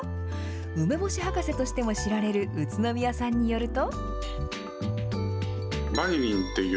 梅干し博士としても知られる宇都宮さんによると。